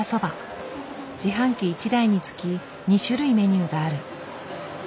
自販機１台につき２種類メニューがある。